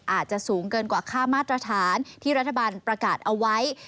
อาจจะสูงเกินกว่าค่ามาตรฐานที่รัฐบาลประกาศเอาไว้